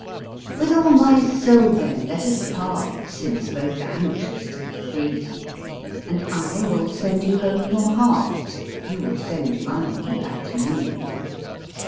With all my soul, then, let us part, Since both are anxious to be free; And I will sand you home your heart, If you will send mine back to me.